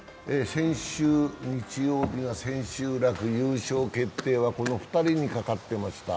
先週日曜日が千秋楽、優勝決定はこの２人にかかってました。